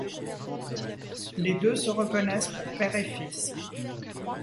Les deux se reconnaissent pour père et fils.